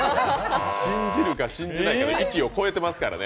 信じるか信じないかの域を超えていますからね。